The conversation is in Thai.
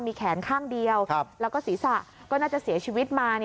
มีแขนข้างเดียวแล้วก็ศีรษะก็น่าจะเสียชีวิตมา